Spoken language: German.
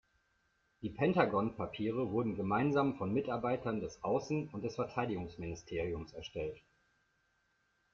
Die Pentagon-Papiere wurden gemeinsam von Mitarbeitern des Außen- und des Verteidigungsministeriums erstellt.